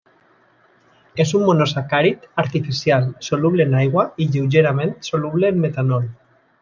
És un monosacàrid artificial, soluble en aigua i lleugerament soluble en metanol.